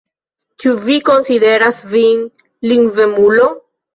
Ĉu vi konsideras vin lingvemulo?